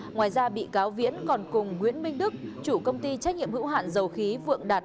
ngoài ra bị cáo viễn còn cùng nguyễn minh đức chủ công ty trách nhiệm hữu hạn dầu khí vượng đạt